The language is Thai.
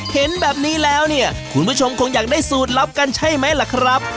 เห็นแบบนี้แล้วเนี่ยคุณผู้ชมคงอยากได้สูตรลับกันใช่ไหมล่ะครับ